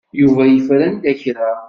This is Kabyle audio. Yuba yeffer anda kra.